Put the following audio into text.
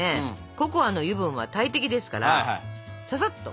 ココアの油分は大敵ですからささっと！